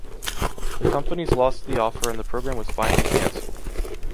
The companies lost the offer and the program was finally canceled.